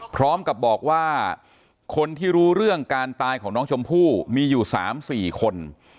พร้อมกับบอกว่าคนที่รู้เรื่องการตายของน้องชมพู่มีอยู่๓๔คน